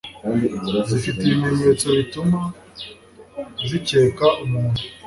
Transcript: zifite ibimenyetso bituma zikeka umuntu